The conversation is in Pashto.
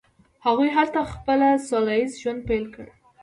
هغوی هلته خپل سوله ایز ژوند پیل کړ.